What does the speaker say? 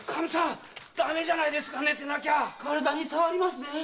体に障りますぜ。